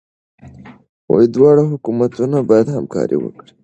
دواړه حکومتونه باید همکاري وکړي.